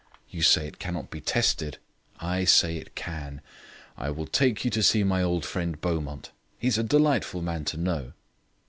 You say it cannot be tested. I say it can. I will take you to see my old friend Beaumont. He is a delightful man to know."